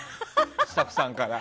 スタッフさんから。